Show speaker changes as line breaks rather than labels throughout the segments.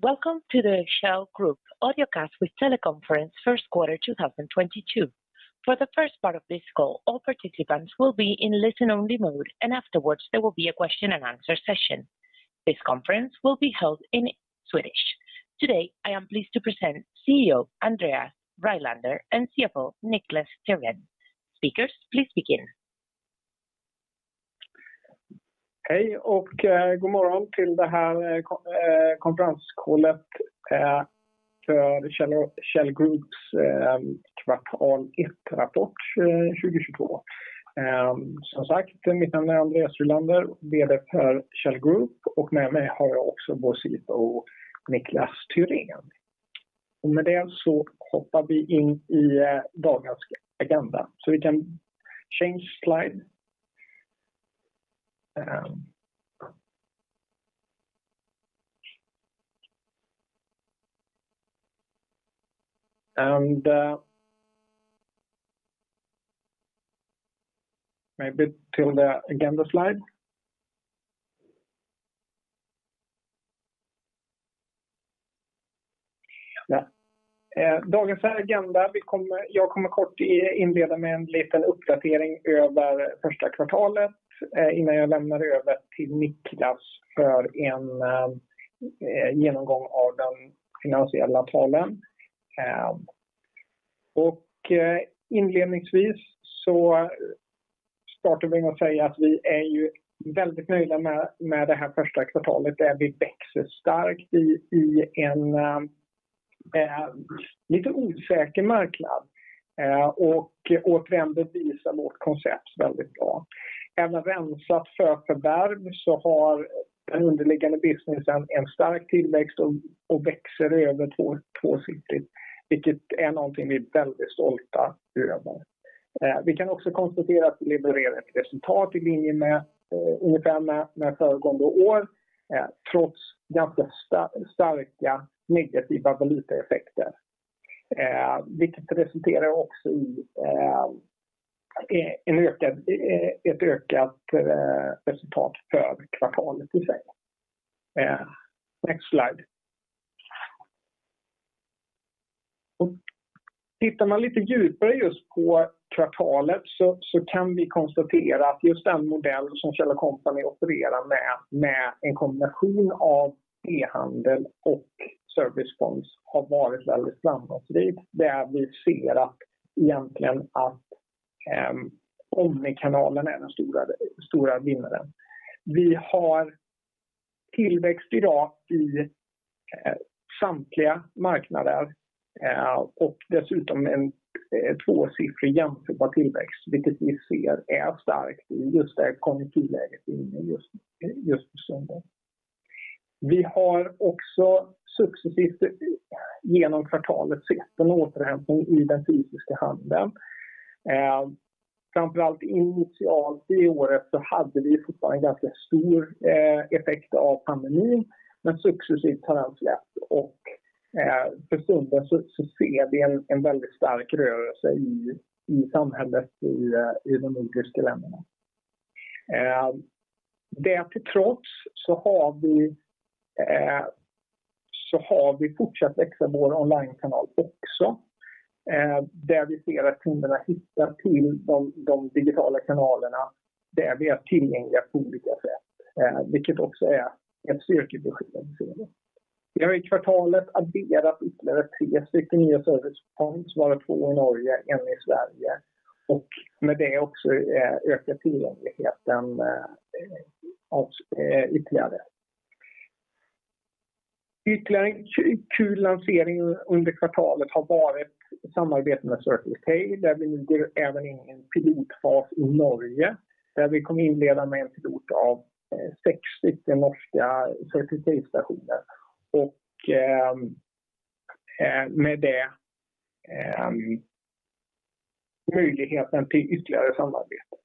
Welcome to the Kjell Group audiocast with teleconference first quarter 2022. For the first part of this call, all participants will be in listen only mode and afterwards there will be a question and answer session. This conference will be held in Swedish. Today, I am pleased to present CEO Andreas Rylander and CFO Niklas Tyrén. Speakers, please begin.
Hej och god morgon till det här konferenscallet för Kjell Groups Q1-rapport 2022. Som sagt, mitt namn är Andreas Rylander, VD för Kjell Group och med mig har jag också vår CFO Niklas Tyrén. Med det så hoppar vi in i dagens agenda. Vi kan change slide. Till the agenda slide. Ja. Dagens agenda. Jag kommer kort inleda med en liten uppdatering över första kvartalet innan jag lämnar över till Niklas för en genomgång av den finansiella delen. Inledningsvis så startar vi med att säga att vi är ju väldigt nöjda med det här första kvartalet där vi växer starkt i en lite osäker marknad. Det visar återigen vårt koncept väldigt bra. Även rensat för förvärv så har den underliggande businessen en stark tillväxt och växer över tvåsiffrigt, vilket är någonting vi är väldigt stolta över. Vi kan också konstatera att vi levererar ett resultat i linje med, ungefär med föregående år, trots ganska starka negativa valutaeffekter. Vilket resulterar också i ett ökat resultat för kvartalet i sig. Next slide. Och tittar man lite djupare just på kvartalet så kan vi konstatera att just den modell som Kjell & Company opererar med en kombination av e-handel och servicekoncept har varit väldigt framgångsrik. Där vi ser att egentligen omnikanalen är den stora vinnaren. Vi har tillväxt i dag i samtliga marknader, och dessutom en tvåsiffrig jämförbar tillväxt, vilket vi ser är starkt i just det konjunkturläget vi är inne i just för stunden. Vi har också successivt genom kvartalet sett en återhämtning i den fysiska handeln. Framför allt initialt i året så hade vi fortfarande ganska stor effekt av pandemin, men successivt har den släppt och för stunden så ser vi en väldigt stark rörelse i samhället i de nordiska länderna. Trots det så har vi fortsatt växa vår onlinekanal också, där vi ser att kunderna hittar till de digitala kanalerna där vi är tillgängliga på olika sätt, vilket också är ett styrkebesked anser vi. Vi har i kvartalet adderat ytterligare 3 stycken nya servicekoncept, varav 2 i Norge, 1 i Sverige och med det också ökat tillgängligheten. Ytterligare en kul lansering under kvartalet har varit samarbetet med Servicepoint. Där vi ligger även i en pilotfas i Norge, där vi kommer att inleda med en pilot av 60 norska Servicepoint-stationer. Med det, möjligheten till ytterligare samarbeten.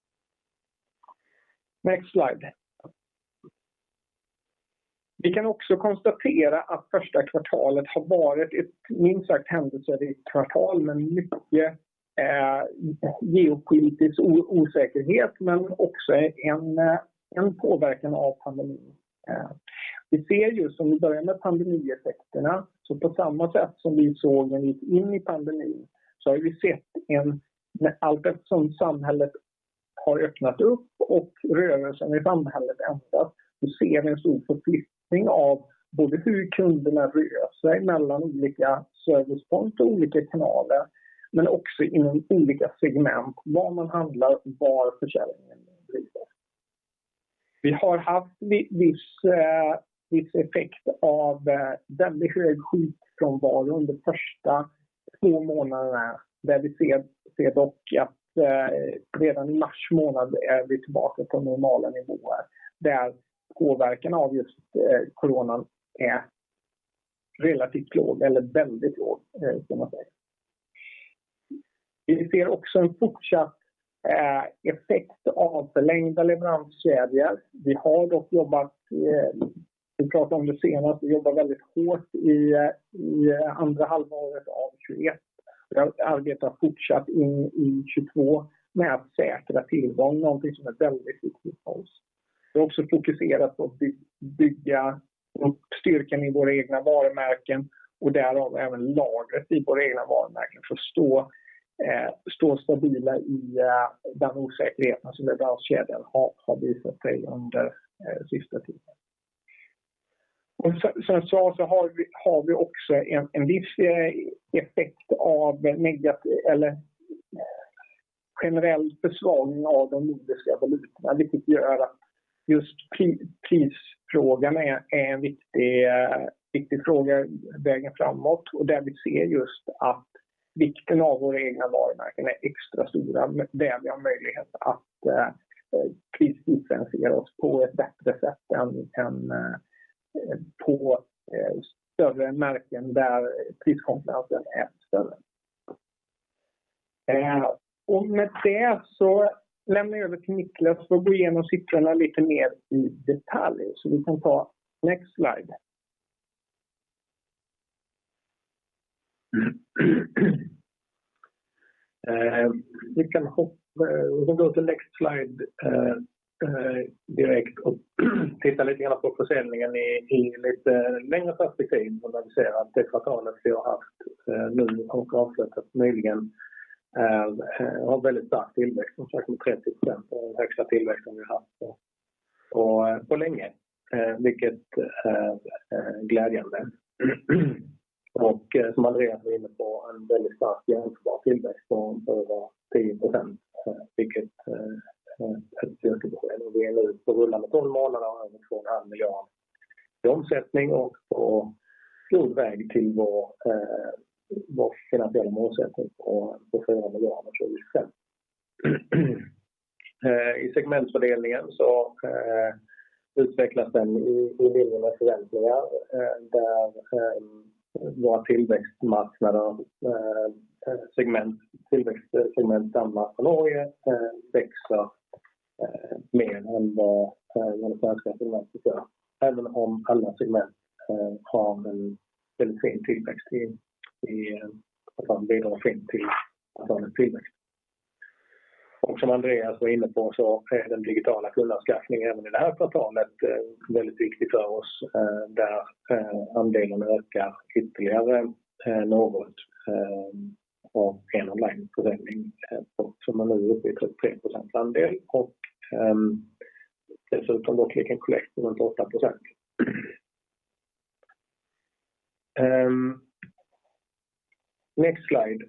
Next slide. Vi kan också konstatera att första kvartalet har varit ett minst sagt händelserikt kvartal med mycket geopolitisk osäkerhet, men också en påverkan av pandemin. Vi ser ju som vi börjar med pandemieffekterna, så på samma sätt som vi såg när vi gick in i pandemin, så har vi sett en allteftersom samhället har öppnat upp och rörelsen i samhället ökat. Då ser vi en stor förflyttning av både hur kunderna rör sig mellan olika servicekoncept och olika kanaler, men också inom olika segment, var man handlar, var försäljningen bedrivs. Vi har haft viss effekt av väldigt hög sjukfrånvaro under första två månaderna där vi ser dock att redan i mars månad är vi tillbaka på normala nivåer där påverkan av just coronan är relativt låg eller väldigt låg kan man säga. Vi ser också en fortsatt effekt av förlängda leveranskedjor. Vi har dock jobbat, vi pratade om det senast, vi jobbade väldigt hårt i andra halvåret av 2021. Det arbetet har fortsatt in i 2022 med att säkra tillgång, någonting som är väldigt viktigt för oss. Vi har också fokuserat på att bygga upp styrkan i våra egna varumärken och därav även lagret i våra egna varumärken för att stå stabila i den osäkerheten som den här leveranskedjan har visat sig under sista tiden. Som jag sa så har vi också en viss effekt av negativ eller generell försvagning av de nordiska valutorna, vilket gör att just prisfrågan är en viktig fråga vägen framåt. Där vi ser just att vikten av våra egna varumärken är extra stora.
Där vi har möjlighet att prisdifferentiera oss på ett bättre sätt än på större märken där priskonkurrensen är större. Med det så lämnar jag över till Niklas för att gå igenom siffrorna lite mer i detalj. Vi kan ta next slide. Vi kan gå till next slide direkt och titta lite grann på försäljningen i lite längre perspektiv. Där vi ser att det kvartalet vi har haft nu och avslutat nyligen har väldigt stark tillväxt, nästan 30%. Den högsta tillväxten vi haft på länge, vilket är glädjande. Som Andreas var inne på, en väldigt stark jämförbar tillväxt på över 10%, vilket är ett styrkeprov. Vi är nu på rullande 12 månader över 2.5 billion i omsättning och på god väg till vår finansiella målsättning på SEK 4 billion så i sig. I segmentfördelningen så utvecklas den i linje med förväntningar, där våra tillväxtmarknader segment tillväxtsegment Danmark och Norge växer mer än vad de etablerade segmenten gör. Även om alla segment har en väldigt fin tillväxt i kvartalet bidrar fint till kvartalets tillväxt. Som Andreas var inne på så är den digitala kundanskaffningen även i det här kvartalet väldigt viktig för oss, där andelen ökar ytterligare något av en online försäljning som man nu uppger 33% andel. Dessutom vår Click and Collect som är på 8%. Next slide.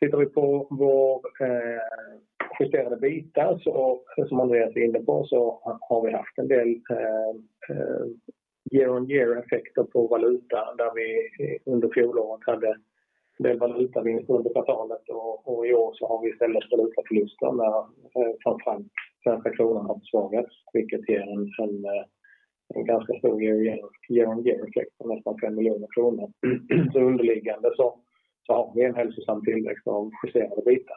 Tittar vi på vår justerade EBITDA så som Andreas var inne på så har vi haft en del year-on-year effekter på valuta, där vi under fjolåret hade en valutavinst under kvartalet och i år så har vi istället valutaförluster när framför allt den svenska kronan har försvagats, vilket ger en ganska stor year-on-year effekt på nästan 5 miljoner kronor. Underliggande så har vi en hälsosam tillväxt av justerade EBITDA.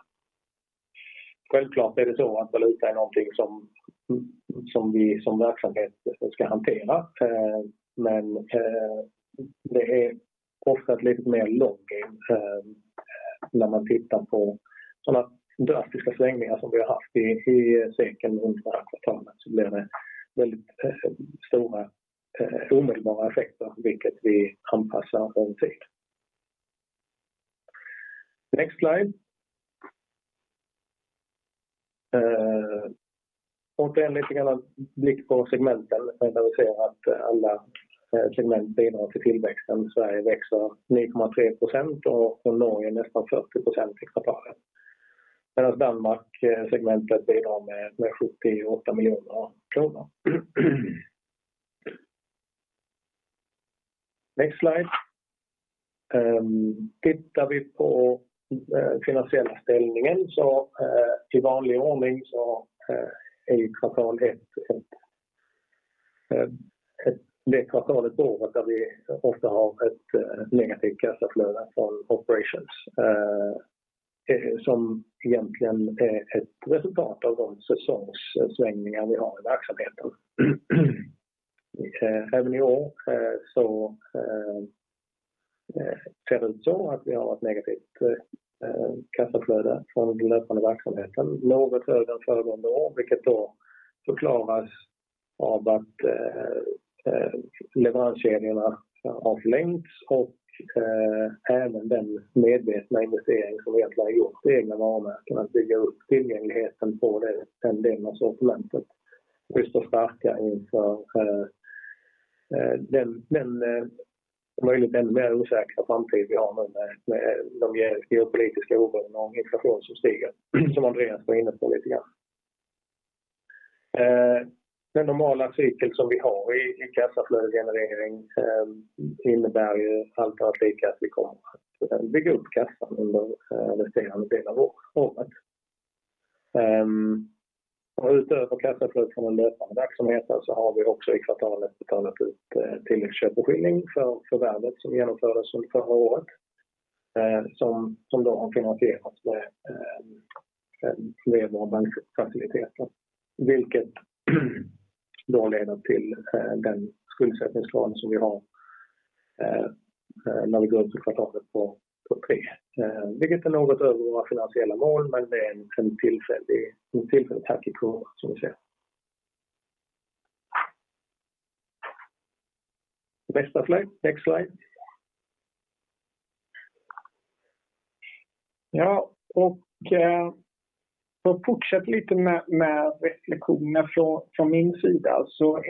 Självklart är det så att valuta är någonting som vi som verksamhet ska hantera, men det är oftast lite mer långsamt när man tittar på sådana drastiska svängningar som vi har haft i SEK under det här kvartalet så blir det väldigt stora omedelbara effekter, vilket vi anpassar oss efter. Next slide. Återigen lite grann blick på segmenten där vi ser att alla segment bidrar till tillväxten. Sverige växer 9.3% och Norge nästan 40% i kvartalet. Medans Danmark-segmentet bidrar med SEK 78 million. Next slide. Tittar vi på den finansiella ställningen så, i vanlig ordning så, är kvartal ett. Det kvartalet på året där vi ofta har ett negativt kassaflöde from operations, som egentligen är ett resultat av de säsongssvängningar vi har i verksamheten. Även i år så, ser det ut så att vi har ett negativt kassaflöde från den löpande verksamheten. Något högre än föregående år, vilket då förklaras av att, leveranskedjorna har förlängts och, även den medvetna investering som vi har gjort i egna varumärken. Att bygga upp tillgängligheten på den delen av sortimentet. Just för att stärka inför den om möjligt ännu mer osäkra framtid vi har nu med de geopolitiska oron och inflation som stiger. Som Andreas var inne på lite grann. Den normala cykeln som vi har i kassaflödesgenerering innebär ju alltid att vi kommer att bygga upp kassan under resterande del av året. Utöver kassaflöde från den löpande verksamheten så har vi också i kvartalet betalat ut tilläggsköpeskilling för förvärvet som genomfördes under förra året. Som då har finansierats med en lånade bankfaciliteter, vilket då leder till den skuldsättningsgrad som vi har när vi går upp till kvartalet på 3. Vilket är något över våra finansiella mål, men det är en tillfällig höjning som vi ser. Nästa slide. Next slide.
För att fortsätta lite med reflektionerna från min sida. Som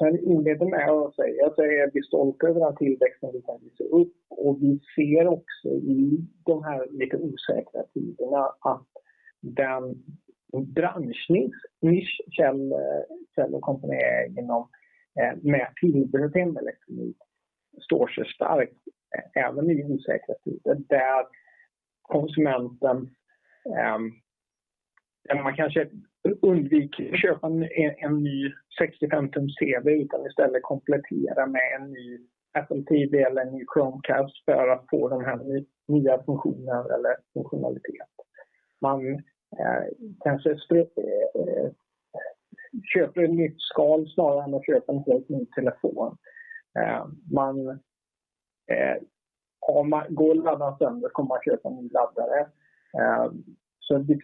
jag inledde med att säga så är vi stolta över den tillväxten vi kan visa upp och vi ser också i de här lite osäkra tiderna att den branschnisch Kjell & Company är inom med tillbehör inom elektronik står sig starkt även i osäkra tider. Där konsumenten, man kanske undviker att köpa en ny 65-tums TV utan istället kompletterar med en ny Apple TV eller en ny Chromecast för att få den här nya funktionen eller funktionalitet. Man kanske köper ett nytt skal snarare än att köpa en helt ny telefon. Man, om laddaren går sönder kommer man köpa en ny laddare.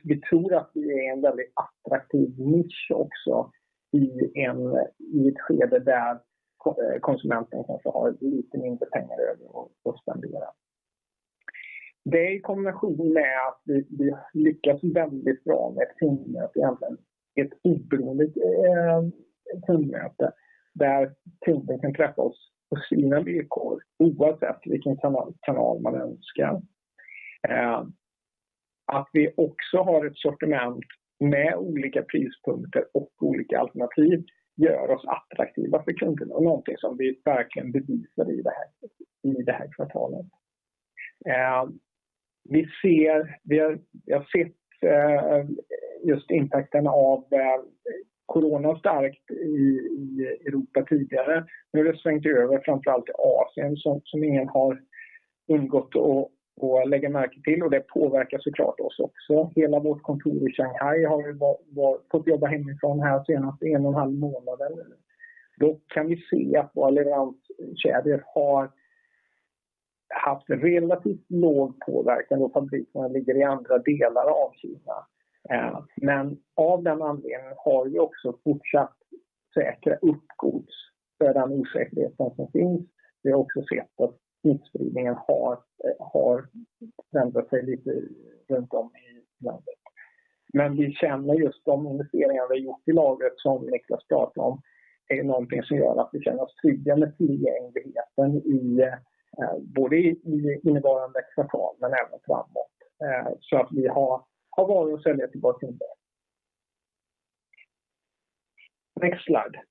Vi tror att vi är en väldigt attraktiv nisch också i ett skede där konsumenten kanske har lite mindre pengar över att spendera. Det i kombination med att vi lyckas väldigt bra med kundmöte, egentligen ett oberoende kundmöte där kunden kan träffa oss på sina villkor, oavsett vilken kanal man önskar. Att vi också har ett sortiment med olika prispunkter och olika alternativ gör oss attraktiva för kunderna och någonting som vi verkligen bevisar i det här kvartalet. Vi ser, vi har sett just impacten av corona starkt i Europa tidigare. Nu har det svängt över framför allt till Asien som ingen har undgått att lägga märke till och det påverkar så klart oss också. Hela vårt kontor i Shanghai har ju varit fått jobba hemifrån här senaste en och en halv månad nu. Kan vi se att våra leveranskedjor har haft relativt låg påverkan då fabrikerna ligger i andra delar av Kina. Av den anledningen har vi också fortsatt säkra upp gods för den osäkerheten som finns. Vi har också sett att utspridningen har ändrat sig lite runtom i landet. Vi känner just de investeringar vi har gjort i lagret som Niklas Tyrén pratar om är någonting som gör att vi känner oss trygga med tillgängligheten i både nuvarande kvartal men även framåt. Att vi har varor att sälja till våra kunder. Next slide.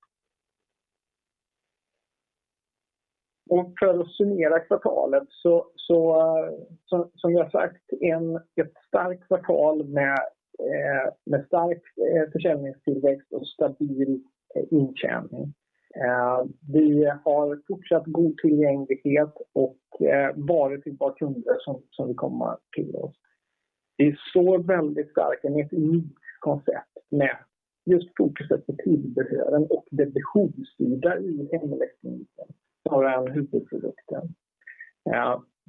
För att summera kvartalet så, som jag sagt, ett starkt kvartal med stark försäljningstillväxt och stabil intjäning. Vi har fortsatt god tillgänglighet och varor till våra kunder som vill komma till oss. Vi står väldigt starkt med ett unikt koncept med just fokuset på tillbehören och det beslutsstöd där i hemelektroniken som vår huvudprodukt.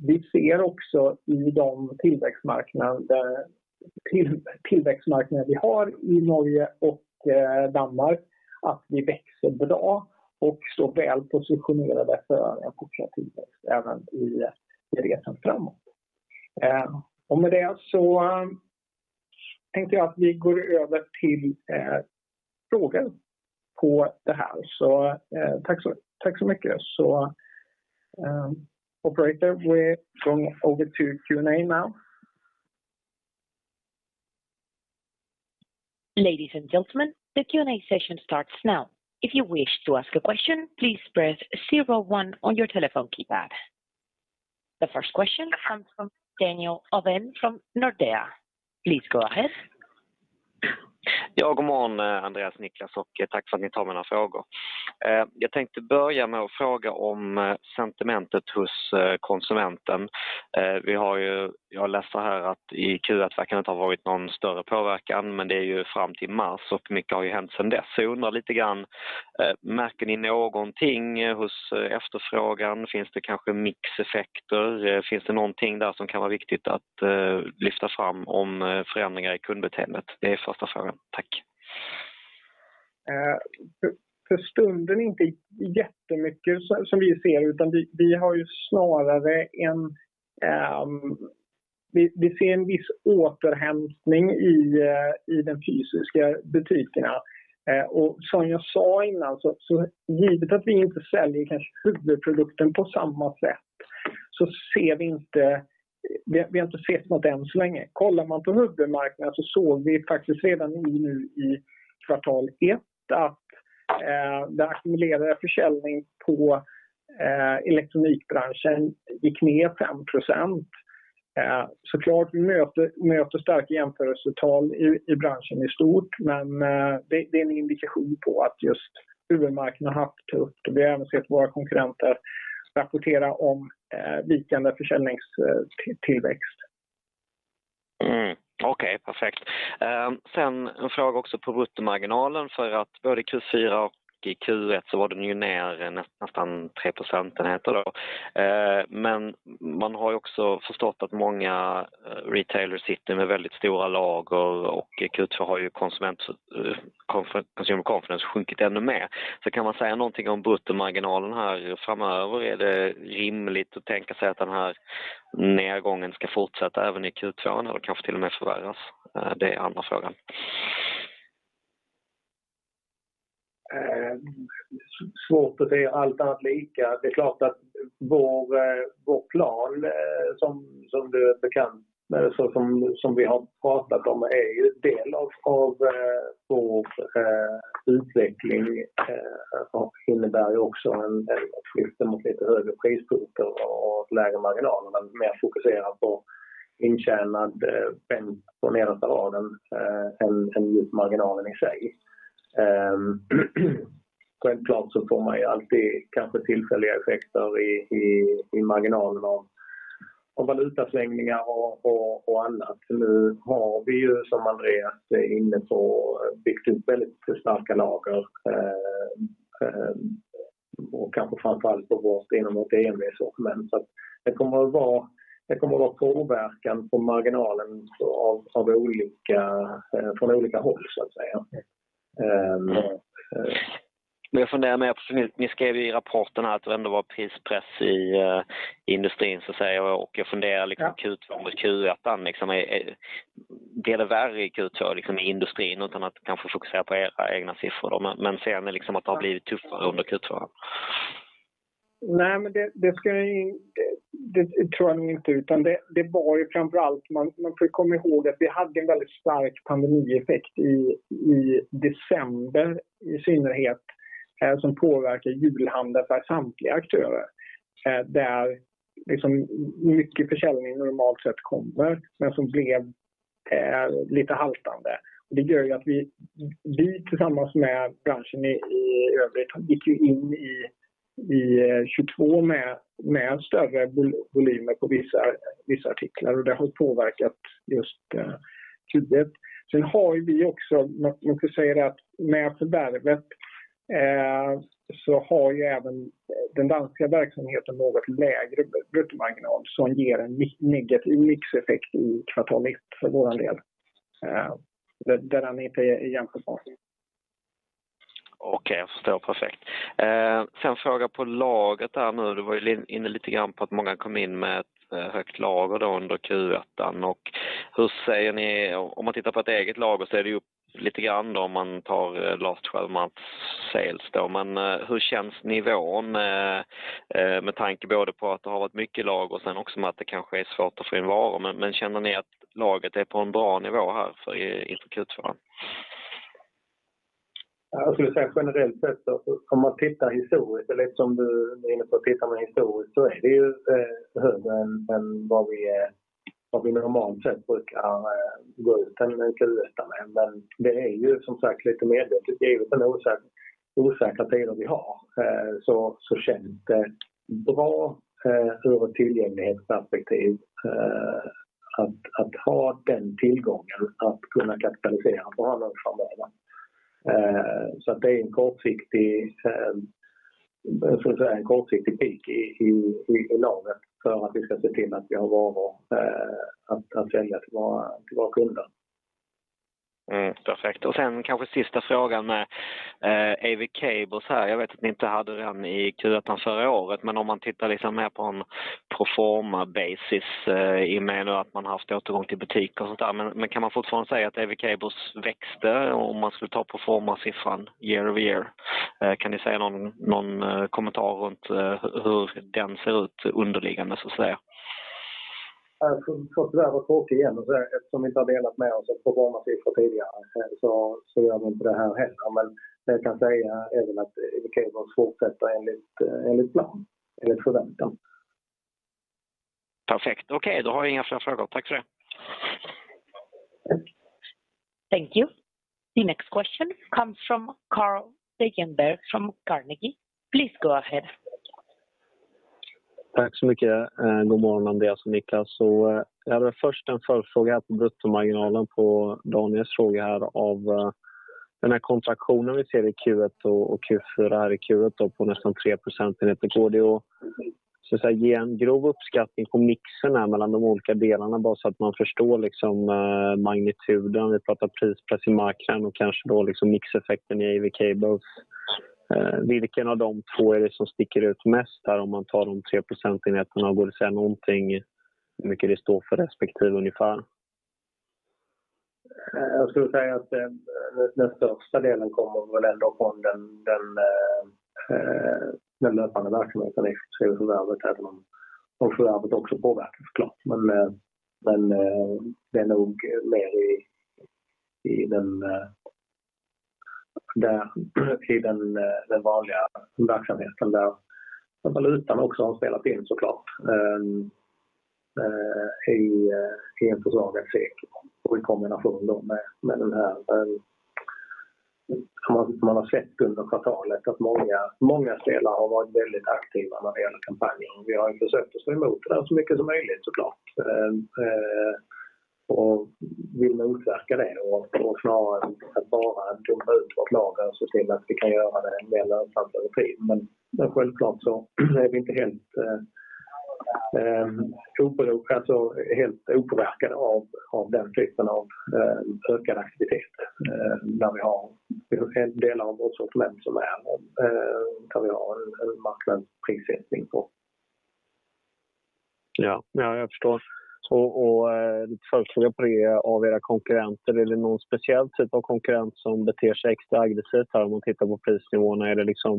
Vi ser också i de tillväxtmarknader vi har i Norge och Danmark att vi växer bra och står väl positionerade för en fortsatt tillväxt även i resan framåt. Med det så tänkte jag att vi går över till frågor på det här. Tack så mycket. Operator, we're going over to Q&A now.
Ladies and gentlemen, the Q&A session starts now. If you wish to ask a question, please press zero one on your telephone keypad. The first question comes from Daniel Åwen from Nordea. Please go ahead.
Ja, god morgon, Andreas och Niklas, och tack för att ni tar mina frågor. Jag tänkte börja med att fråga om sentimentet hos konsumenten. Jag läser här att i Q1 så verkar det inte ha varit någon större påverkan, men det är ju fram till mars och mycket har ju hänt sedan dess. Jag undrar lite grann: Märker ni någonting hos efterfrågan? Finns det kanske mixeffekter? Finns det någonting där som kan vara viktigt att lyfta fram om förändringar i kundbeteendet? Det är första frågan. Tack.
För stunden inte jättemycket som vi ser, utan vi har ju snarare en. Vi ser en viss återhämtning i de fysiska butikerna. Som jag sa innan så givet att vi inte säljer kanske huvudprodukten på samma sätt, så ser vi inte. Vi har inte sett något än så länge. Kollar man på huvudmarknaden så såg vi faktiskt redan nu i kvartal ett att den ackumulerade försäljning på elektronikbranschen gick ner 5%. Vi möter starka jämförelsetal i branschen i stort, men det är en indikation på att just huvudmarknaden har haft det tufft. Vi har även sett våra konkurrenter rapportera om vikande försäljningstillväxt.
Okej, perfekt. En fråga också på bruttomarginalen för att både i Q4 och i Q1 så var den ju ner nästan 3 procentenheter då. Man har ju också förstått att många retailers sitter med väldigt stora lager och i Q2 har ju konsument, Consumer Confidence sjunkit ännu mer. Kan man säga nånting om bruttomarginalen här framöver? Är det rimligt att tänka sig att den här nedgången ska fortsätta även i Q2 eller kanske till och med förvärras? Det är andra frågan.
Svårt att säga allt annat lika. Det är klart att vår plan som du är bekant med, som vi har pratat om är ju en del av vår utveckling och innebär ju också en flytt mot lite högre prispunkter och lägre marginaler, men mer fokuserat på intjäning på nedersta raden än just marginalen i sig. Självklart så får man ju alltid kanske tillfälliga effekter i marginalen av valutasvängningar och annat. Nu har vi ju som Andreas är inne på byggt upp väldigt starka lager och kanske framför allt inom vårt EMV-sortiment. Så att det kommer att vara påverkan på marginalen från olika håll så att säga.
Jag funderar, ni skrev ju i rapporten att det ändå var prispress i industrin så att säga och jag funderar liksom Q2 mot Q1. Liksom är, blir det värre i Q2 liksom i industrin utan att kanske fokusera på era egna siffror då, men ser ni liksom att det har blivit tuffare under Q2?
Det tror jag nog inte, utan det var ju framför allt, man får komma ihåg att vi hade en väldigt stark pandemieffekt i december i synnerhet som påverkar julhandeln för samtliga aktörer. Där liksom mycket försäljning normalt sett kommer, men som blev lite haltande. Det gör ju att vi tillsammans med branschen i övrigt gick ju in i 2022 med större volymer på vissa artiklar och det har påverkat just Q1. Sen har ju vi också, man får säga det, att med förvärvet så har ju även den danska verksamheten något lägre bruttomarginal som ger en negativ mixeffekt i kvartal ett för vår del. Där den inte är jämförbar.
Okej, jag förstår perfekt. Fråga på lagret där nu. Du var ju inne lite grann på att många kom in med ett högt lager då under Q1. Hur säger ni om man tittar på ett eget lager så är det ju upp lite grann då om man tar last twelve months sales då? Hur känns nivån med tanke både på att det har varit mycket lager och sen också med att det kanske är svårt att få in varor? Känner ni att lagret är på en bra nivå här för in i Q2?
Ja, jag skulle säga generellt sett om man tittar historiskt eller som du är inne på, tittar man historiskt så är det ju högre än vad vi normalt sett brukar gå ut den Q1. Det är ju som sagt lite medvetet. I och med den osäkra tider vi har så känns det bra ur ett tillgänglighetsperspektiv att ha den tillgången att kunna kapitalisera på annan framgång. Så att det är en kortsiktig, jag skulle säga en kortsiktig peak i lagret för att vi ska se till att vi har varor att sälja till våra kunder.
Perfekt. Kanske sista frågan med AV-Cables här. Jag vet att ni inte hade den i Q1 förra året, men om man tittar liksom mer på en pro forma basis i och med nu att man haft återgång till butik och så där. Kan man fortfarande säga att AV-Cables växte om man skulle ta pro forma-siffran year-over-year? Kan ni säga någon kommentar runt hur den ser ut underliggande så att säga?
Jag får tyvärr vara tråkig igen och säga eftersom vi inte har delat med oss av pro forma-siffror tidigare så gör vi inte det här heller. Men det jag kan säga är väl att AV-Cables fortsätter enligt plan, enligt förväntan.
Perfekt. Okej, då har jag inga fler frågor. Tack för det.
Thank you. The next question comes from Carl Hagberg from Carnegie. Please go ahead.
Tack så mycket. God morgon Andreas Rylander och Niklas Tyrén. Jag hade först en följdfråga på bruttomarginalen på Daniel Åwens fråga här. Av den här kontraktionen vi ser i Q1 och Q4 här i Q1 då på nästan 3 procentenheter. Går det att så att säga ge en grov uppskattning på mixen här mellan de olika delarna? Bara så att man förstår liksom magnituden. Vi pratar prispress i marknaden och kanske då liksom mixeffekten i AV-Cables. Vilken av de två är det som sticker ut mest där om man tar de 3 procentenheterna? Går det att säga nånting hur mycket det står för respektive ungefär?
Jag skulle säga att den största delen kommer väl ändå från den löpande verksamheten exklusive förvärvet. Även om förvärvet också påverkar så klart. Men det är nog mer i den vanliga verksamheten där valutan också har spelat in så klart. I en försvagad SEK och i kombination då med den här. Man har sett under kvartalet att många spelare har varit väldigt aktiva när det gäller kampanjer. Vi har ju försökt att stå emot det här så mycket som möjligt så klart. Och vi motverkar det och klarar att bara dumpa ut vårt lager och se till att vi kan göra det en del lönsamt över tid. Men självklart så är vi inte helt opåverkad av den typen av ökade aktiviteter. När vi har delar av vårt sortiment som är, kan vi ha en marknadsprissättning på.
Ja, jag förstår. Av era konkurrenter, är det någon speciell typ av konkurrent som beter sig extra aggressivt här om man tittar på prisnivåerna? Är det liksom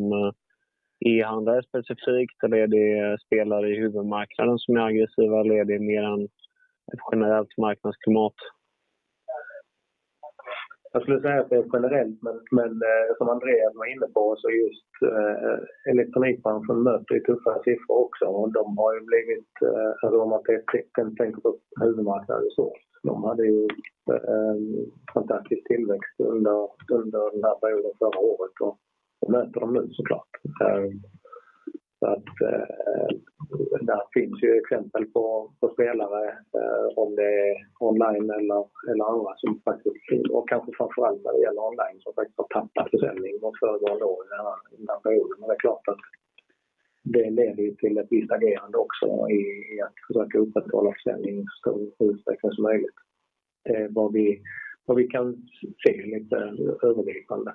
e-handlare specifikt eller är det spelare i huvudmarknaden som är aggressiva? Eller är det mer ett generellt marknadsklimat?
Jag skulle säga att det är generellt, men som Andreas var inne på så just, Elkjøp möter tuffa siffror också. De har ju blivit, alltså om man ser trenden tänker på huvudmarknaden så. De hade ju en fantastisk tillväxt under den här perioden förra året och då möter de nu så klart. Så att, där finns ju exempel på spelare, om det är online eller andra som faktiskt och kanske framför allt när det gäller online som faktiskt har tappat försäljning mot föregående år i den här perioden. Det är klart att det leder ju till ett visst agerande också i att försöka upprätthålla försäljning så stor och utsträckt som möjligt. Vad vi kan se lite övergripande.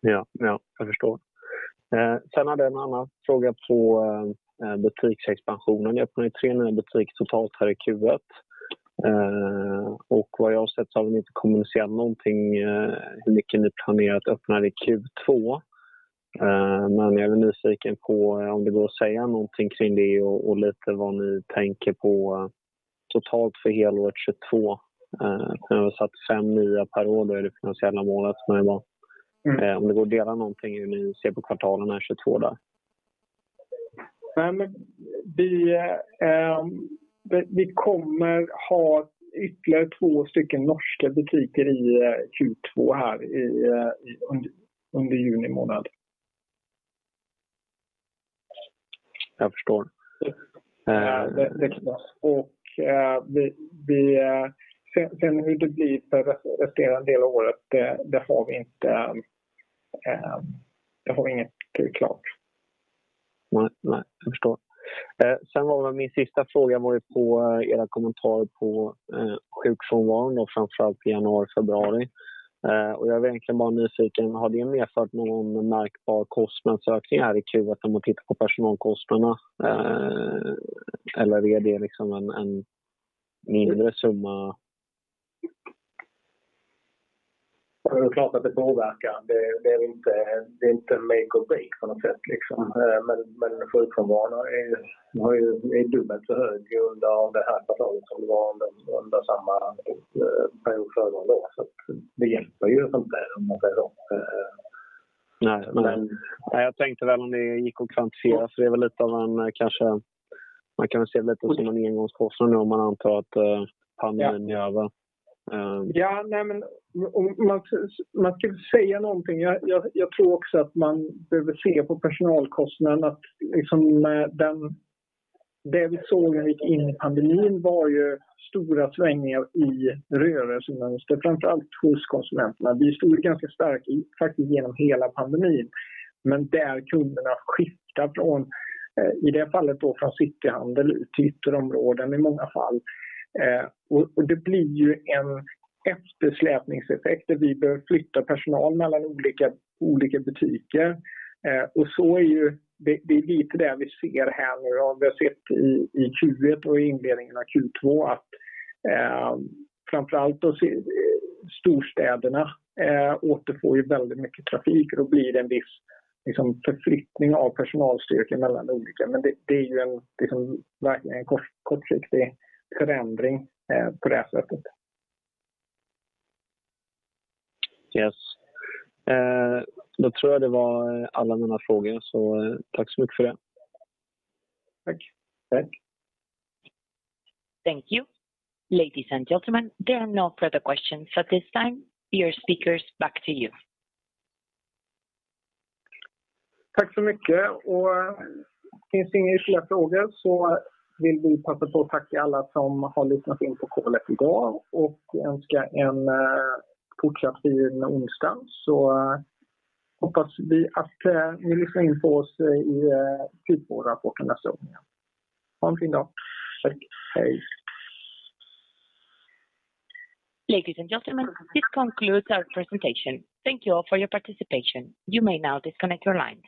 Ja, ja jag förstår. Hade jag en annan fråga på butiksexpansionen. Ni öppnade ju 3 nya butiker totalt här i Q1. Vad jag har sett så har ni inte kommunicerat någonting, hur mycket ni planerar att öppna det i Q2. Jag är nyfiken på om det går att säga någonting kring det och lite vad ni tänker på totalt för helåret 2022. Ni har ju satt 5 nya per år. Är det finansiella målet som det var. Om det går att dela någonting hur ni ser på kvartalen här 2022 där.
Vi kommer ha ytterligare 2 stycken norska butiker i Q2 här i under juni månad.
Jag förstår.
Vi ser hur det blir resterande del av året. Det har vi inte. Det har vi inget tydligt klart.
Nej, nej, jag förstår. Väl min sista fråga på era kommentarer på sjukfrånvaron då framför allt i januari, februari. Jag är egentligen bara nyfiken. Har det medfört någon märkbar kostnadsökning här i Q1 om man tittar på personalkostnaderna? Eller är det liksom en mindre summa?
Det är klart att det påverkar. Det är inte make or break på något sätt liksom. Sjukfrånvaron är ju dubbelt så hög under det här kvartalet som det var under samma period föregående år. Att det hjälper ju inte om man säger då.
Nej, jag tänkte väl om det gick att kvantifiera så det är väl lite av en kanske man kan se det lite som en engångskostnad om man antar att pandemin är över.
Men om man ska väl säga någonting. Jag tror också att man behöver se på personalkostnaden att liksom det vi såg när vi gick in i pandemin var ju stora svängningar i rörelsemönster, framför allt hos konsumenterna. Vi stod ganska starkt faktiskt genom hela pandemin, men kunderna skiftar från i det fallet då från cityhandel ut till ytterområden i många fall. Och det blir ju en eftersläpningseffekt där vi behöver flytta personal mellan olika butiker. Och så är det lite det vi ser här nu. Vi har sett i Q1 och inledningen av Q2 att framför allt då storstäderna återfår ju väldigt mycket trafik. Då blir det en viss liksom förflyttning av personalstyrkor mellan olika. Men det är ju en liksom verkligen kortsiktig förändring på det sättet.
Yes. Tror jag det var alla mina frågor. Tack så mycket för det.
Tack, tack.
Thank you. Ladies and gentlemen, there are no further questions at this time. Dear speakers, back to you.
Tack så mycket och finns det inga ytterligare frågor så vill vi passa på att tacka alla som har lyssnat in på callen i dag och önska en fortsatt fin onsdag. Hoppas vi att ni lyssnar in på oss i Q2-rapporten nästa gång igen. Ha en fin dag. Tack, hej.
Ladies and gentlemen, this concludes our presentation. Thank you all for your participation. You may now disconnect your lines.